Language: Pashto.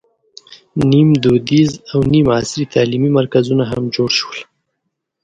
نیم دودیز او نیم عصري تعلیمي مرکزونه هم جوړ شول.